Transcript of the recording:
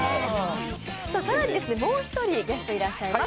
更にもう１人ゲストいらっしゃいます。